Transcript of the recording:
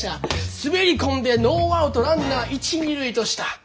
滑り込んでノーアウトランナー一二塁とした。